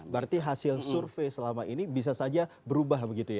berarti hasil survei selama ini bisa saja berubah begitu ya